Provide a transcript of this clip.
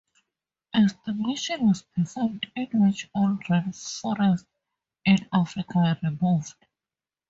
A simulation was performed in which all rainforest in Africa were removed.